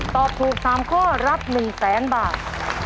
ตอบถูก๓ข้อรับ๑๐๐๐๐๐บาท